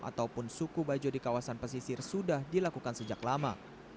ataupun suku bajo di kawasan pesisir sudah dilakukan sejak lama